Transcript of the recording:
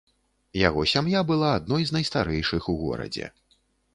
Яго сям'я была адной з найстарэйшых у горадзе.